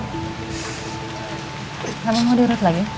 kamu mau diurut lagi